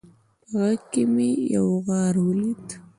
په غره کې مې یو غار ولید